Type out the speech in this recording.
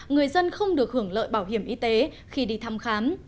người dân không được hưởng lợi bảo hiểm y tế khi đi thăm khám